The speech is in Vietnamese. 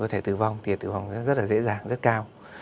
có thể tử vong thì tử vong rất là dễ dàng rất cao